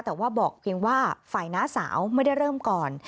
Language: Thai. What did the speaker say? แต่ว่าบอกเพียงว่าฝ่ายน้าสาวไม่ได้เริ่มก่อน